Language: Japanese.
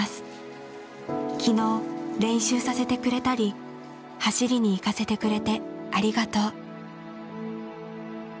昨日練習させてくれたり走りに行かせてくれてありがとう」。